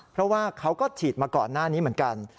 เพราะว่าเขาก็ฉีดมาก่อนหน้านี้เหมือนกัน